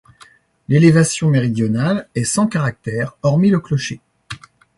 L'élévation méridionale est sans caractère, hormis le clocher.